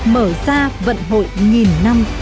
mở ra vận hội nghìn năm